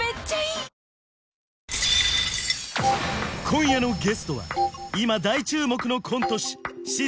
今夜のゲストは今大注目のコント師